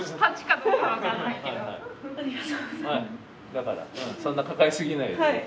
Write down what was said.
だからそんな抱え過ぎないようにね。